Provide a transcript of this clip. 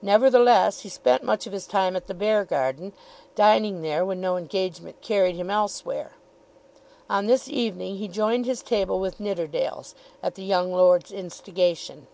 Nevertheless he spent much of his time at the Beargarden, dining there when no engagement carried him elsewhere. On this evening he joined his table with Nidderdale's, at the young lord's instigation.